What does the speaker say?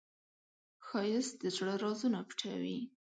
ښایست د زړه رازونه پټوي